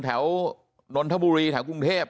แถวนนทบุรีแถวกรุงเทพ